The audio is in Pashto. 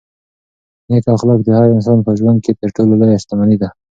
نېک اخلاق د هر انسان په ژوند کې تر ټولو لویه شتمني ده.